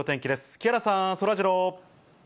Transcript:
木原さん、そらジロー。